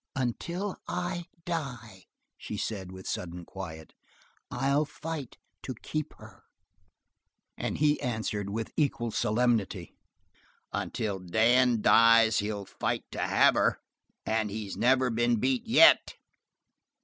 "Until I die," she said with sudden quiet, "I'll fight to keep her." And he answered with equal solemnity: "Until Dan dies he'll fight to have her. And he's never been beat yet."